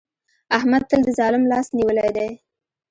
احمد تل د ظالم لاس نيولی دی.